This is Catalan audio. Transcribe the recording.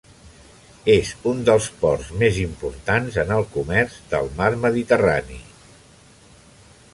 És un dels ports més importants en el comerç del mar Mediterrani.